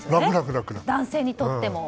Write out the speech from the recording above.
男性にとっても。